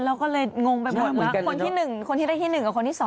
แล้วก็เลยงงไปหมดละคนที่ได้ที่๑กะคนที่๒